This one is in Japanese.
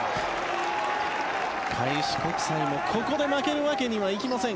開志国際もここで負けるわけにはいきません。